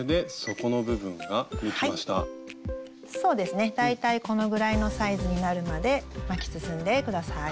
そうですね大体このぐらいのサイズになるまで巻き進んで下さい。